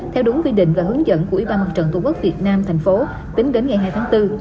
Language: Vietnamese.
theo đúng quy định và hướng dẫn của ủy ban mặt trận tổ quốc việt nam thành phố tính đến ngày hai tháng bốn